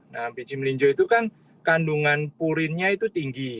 nah biji melinjo itu kan kandungan purinnya itu tinggi